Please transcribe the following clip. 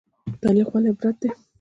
تاریخ ولې عبرت دی؟